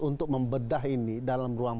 untuk membedah ini dalam ruang